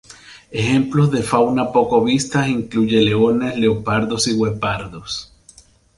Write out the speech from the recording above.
Ejemplos de fauna poco vista incluyen leones, leopardos y guepardos.